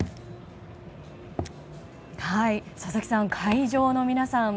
佐々木さん、会場の皆さん